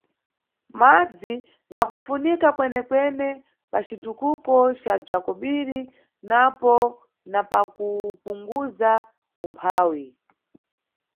Madzi ngakufunika kwenekwene pa citukuko ca bza kobiri napo na pakupunguza umphawi.